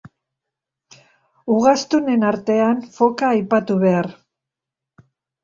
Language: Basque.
Ugaztunen artean foka aipatu behar.